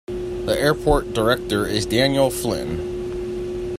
The airport director is Daniel Flynn.